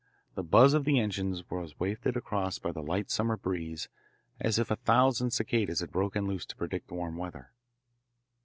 The buzz of the engines was wafted across by the light summer breeze as if a thousand cicadas had broken loose to predict warm weather.